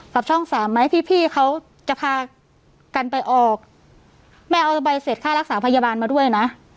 ช่องสามไหมพี่พี่เขาจะพากันไปออกแม่เอาใบเสร็จค่ารักษาพยาบาลมาด้วยนะ